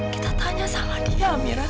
kita tanya sama dia mira